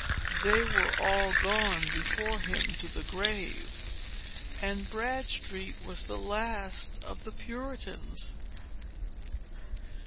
They were all gone before him to the grave; and Bradstreet was the last of the Puritans."